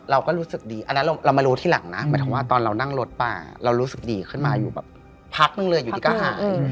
เราก็กำลังจะเตรียมอาจน้ำ